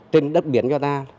trên đất biển cho ta